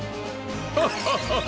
ハハハハハ！